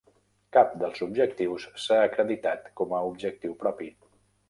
Cap dels objectius s'ha acreditat com a objectiu propi.